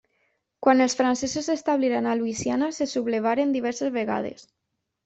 Quan els francesos s'establiren a Louisiana se sublevaren diverses vegades.